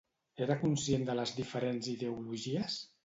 Era conscient de les diferents ideologies?